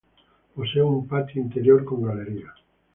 Posee un patio interior con galerías.